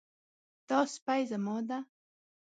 دا سپی زما ده